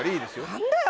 何だよ